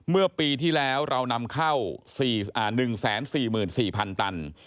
เมื่อปีที่แล้วเรานำเข้า๑แสน๔หมื่น๔พันตัน